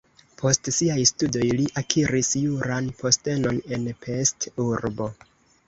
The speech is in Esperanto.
Post siaj studoj li akiris juran postenon en Pest (urbo).